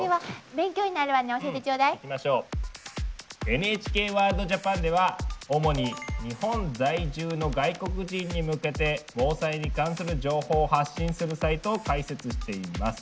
「ＮＨＫＷＯＲＬＤＪＡＰＡＮ」では主に日本在住の外国人に向けて防災に関する情報を発信するサイトを開設しています。